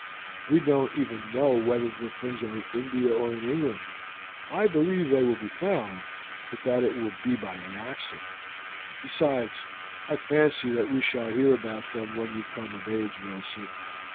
We don't even know whether the things are in India or in England. I believe they will be found, but that it will be by an accident. Besides, I fancy that we shall hear about them when you come of age, Millicent.